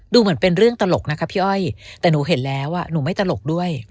เหมือนเป็นเรื่องตลกนะคะพี่อ้อยแต่หนูเห็นแล้วหนูไม่ตลกด้วย